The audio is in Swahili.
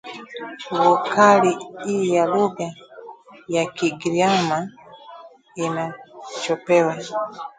Vokali "i" ya lugha ya Kigiryama inachopekwa